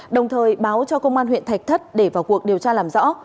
đồng thời báo cho công an huyện thạch thất để vào cuộc điều tra làm rõ